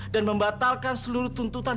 dan membatalkan seluruh tuntutan